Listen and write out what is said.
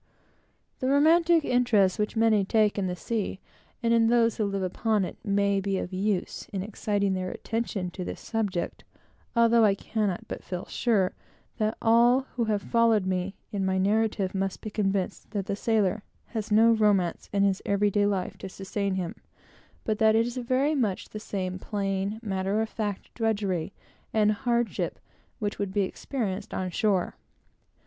The romantic interest which many take in the sea, and in those who live upon it, may be of use in exciting their attention to this subject, though I cannot but feel sure that all who have followed me in my narrative must be convinced that the sailor has no romance in his every day life to sustain him, but that it is very much the same plain, matter of fact drudgery and hardship, which would be experienced on shore.